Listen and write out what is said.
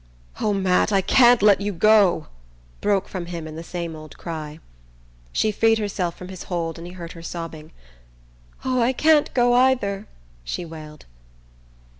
"Oh, Matt, I can't let you go!" broke from him in the same old cry. She freed herself from his hold and he heard her sobbing. "Oh, I can't go either!" she wailed.